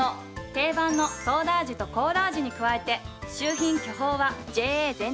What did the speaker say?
定番のソーダ味とコーラ味に加えて秀品巨峰はＪＡ全農